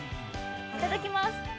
いただきます。